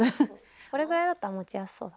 これぐらいだったら持ちやすそう。